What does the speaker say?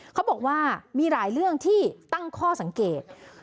เขาบอกว่ามีหลายเรื่องที่ตั้งข้อสังเกต